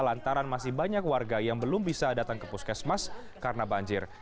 lantaran masih banyak warga yang belum bisa datang ke puskesmas karena banjir